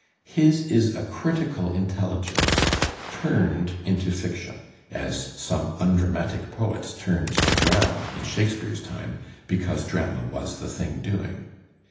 His is a critical inteUigence turned into fiction, as some undramatic poets turned to drama in Shake speare's time, because drama was the thing doing.